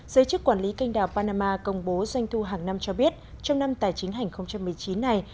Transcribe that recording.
giới chức quản lý kênh đảo panama công bố doanh thu hàng năm cho biết trong năm tài chính hành một mươi chín này